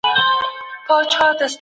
نوی نسل په سنجيده توګه خپلي ريښې لټوي.